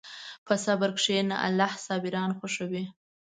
په صبر کښېنه، الله صابران خوښوي.